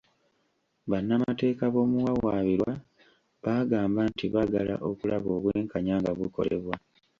Bannamateeka b'omuwawaabirwa baagamba nti baagala okulaba obwenkanya nga bukolebwa.